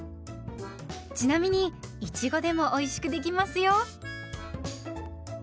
ちなみにいちごでもおいしくできますよ。